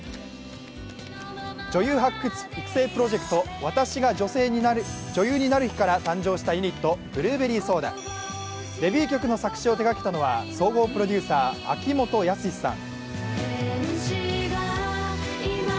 女優発掘プロジェクト「『私が女優になる日＿』」から誕生したブルーベリーソーダ、デビュー曲の作詞を手がけたのは総合プロデューサー・秋元康さん。